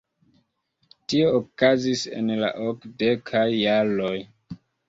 Tio okazis en la okdekaj jaroj.